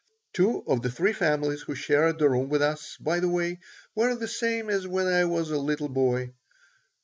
Two of the three families who shared the room with us, by the way, were the same as when I was a little boy.